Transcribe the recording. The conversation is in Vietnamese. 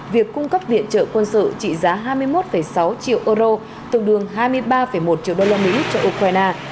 việc cung cấp viện trợ quân sự trị giá hai mươi một sáu triệu euro tương đương hai mươi ba một triệu usd cho ukraine